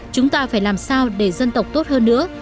chúng ta phải làm sao để dân tộc tốt hơn nữa